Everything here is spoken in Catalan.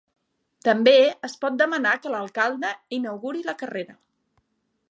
També, es pot demanar que l'alcalde inauguri la carrera.